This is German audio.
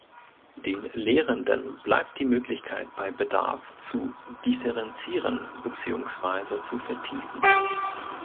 Den Lehrenden bleibt die Möglichkeit bei Bedarf zu differenzieren beziehungsweise zu vertiefen.